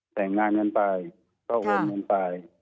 แต่งงานกันไปก็โอนเงินไป